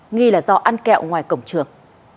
nghi là do ăn kẹo ngoài cổng trường